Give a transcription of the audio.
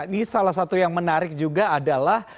ini salah satu yang menarik juga adalah